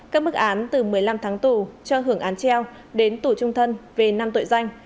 các mức án từ một mươi năm tháng tù cho hưởng án treo đến tù trung thân về năm tội danh